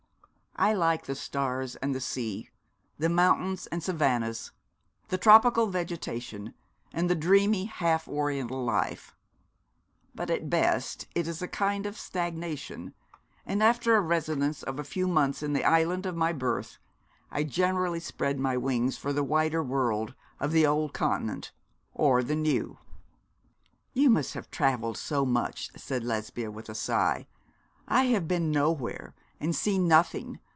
'I like the stars and the sea, the mountains and savannas, the tropical vegetation, and the dreamy, half oriental life; but at best it is a kind of stagnation, and after a residence of a few months in the island of my birth I generally spread my wings for the wider world of the old continent or the new.' 'You must have travelled so much,' said Lesbia, with a sigh. 'I have been nowhere and seen nothing.